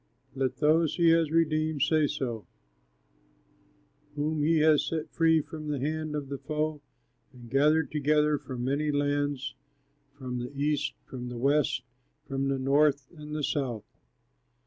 Let those he has redeemed say so, Whom he has set free from the hand of the foe, And gathered together from many lands, From the east, from the west, From the north and the south.